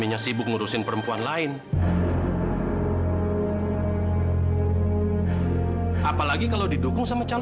yang diberikan oleh allah